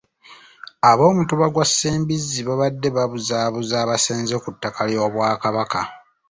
Ab'omutuba gwa Ssembizzi babadde babuzaabuza abasenze ku ttaka ly’Obwakabaka.